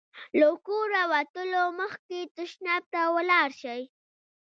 له کوره وتلو مخکې تشناب ته ولاړ شئ.